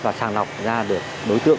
và sàng lọc ra được đối tượng